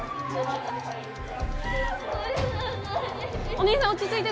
おねえさん落ち着いて。